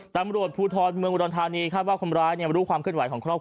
ตำรวจภูทรเมืองอุดรทานีครับว่าคุณบร้อยเนี่ยรู้ความขึ้นไหวของข้อมูลครับ